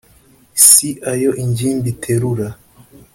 Si ayo ingimbi iterura